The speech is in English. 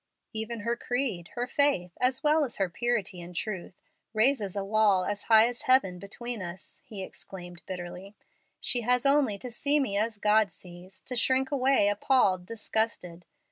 "Even her creed, her faith, as well as her purity and truth, raises a wall as high as heaven between us," he exclaimed, bitterly. "She has only to see me as God sees, to shrink away appalled, disgusted.